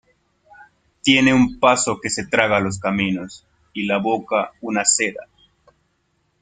tiene un paso que se traga los caminos, y la boca una seda.